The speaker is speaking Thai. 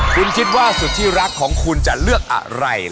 คุณคิดว่าสุดที่รักของคุณจะเลือกอะไร